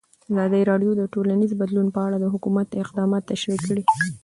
ازادي راډیو د ټولنیز بدلون په اړه د حکومت اقدامات تشریح کړي.